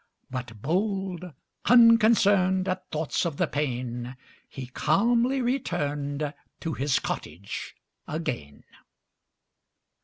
But bold, unconcern'd At thoughts of the pain, He calmly return'd To his cottage again.